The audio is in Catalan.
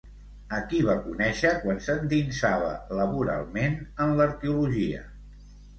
A qui va conèixer quan s'endinsava laboralment en l'arqueologia?